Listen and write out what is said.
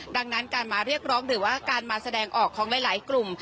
ดังนั้นการมาเรียกร้องหรือว่าการมาแสดงออกของหลายกลุ่ม